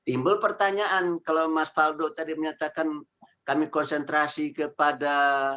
imbul pertanyaan kalau mas faldo tadi menyatakan kami konsentrasi kepada